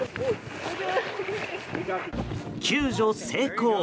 救助成功。